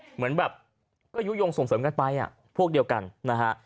เหมือนแบบก็ยุโยงส่งเสริมกันไปพวกเดียวกันนะฮะ